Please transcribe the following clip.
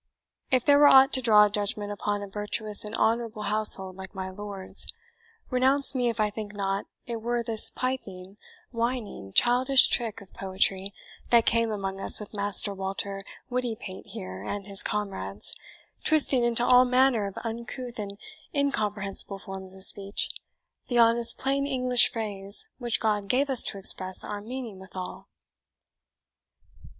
If there were ought to draw a judgment upon a virtuous and honourable household like my lord's, renounce me if I think not it were this piping, whining, childish trick of poetry, that came among us with Master Walter Wittypate here and his comrades, twisting into all manner of uncouth and incomprehensible forms of speech, the honest plain English phrase which God gave us to express our meaning withal."